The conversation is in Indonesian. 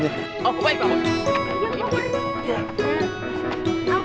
oh baik pak